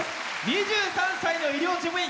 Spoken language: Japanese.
２３歳の医療事務員。